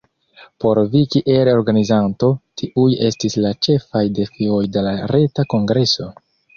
Por vi kiel organizanto, kiuj estis la ĉefaj defioj de la reta kongreso?